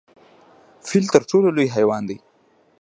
فیل تر ټولو لوی حیوان دی؟